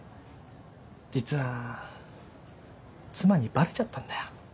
実は妻にバレちゃったんだよ。